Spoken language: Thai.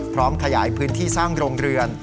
พร้อมขยายพื้นที่สร้างโรงเรือน